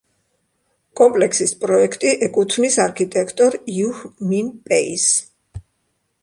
კომპლექსის პროექტი ეკუთვნის არქიტექტორ იუჰ მინ პეის.